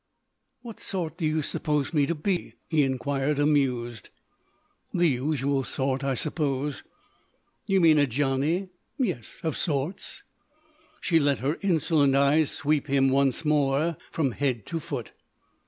"What sort do you suppose me to be?" he inquired, amused. "The usual sort, I suppose." "You mean a Johnny?" "Yes—of sorts." She let her insolent eyes sweep him once more, from head to foot.